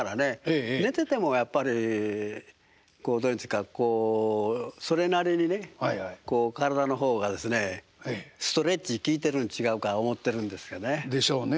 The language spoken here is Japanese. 寝ててもやっぱりどう言うんですかそれなりにね体の方がですねストレッチ効いてるん違うか思ってるんですけどね。でしょうね。